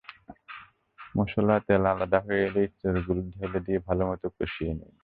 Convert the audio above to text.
মসলা এবং তেল আলাদা হয়ে এলে ইঁচড়গুলো ঢেলে দিয়ে ভালোমতো কষিয়ে নিন।